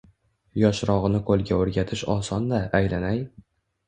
Yoshrog`ini qo`lga o`rgatish oson-da, aylanay